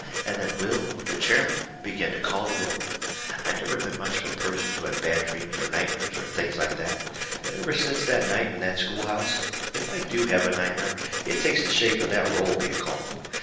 And then Will, the chairman, begun to call the roll. I never been much of a person to have bad dreams or nightmares or things like that. But ever since that night in that schoolhouse, if I do have a nightmare, it takes the shape of that roll being called.